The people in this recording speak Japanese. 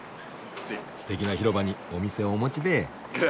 すてきな広場にお店をお持ちで。